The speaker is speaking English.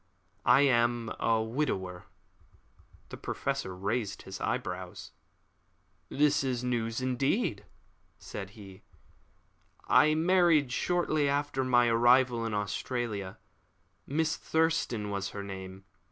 I am a widower." The Professor raised his eyebrows. "This is news indeed," said he. "I married shortly after my arrival in Australia. Miss Thurston was her name.